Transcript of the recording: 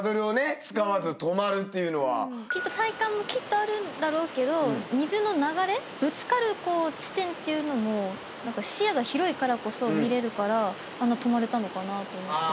体幹もきっとあるんだろうけど水の流れぶつかる地点っていうのも視野が広いからこそ見れるからあんな止まれたのかなと思って。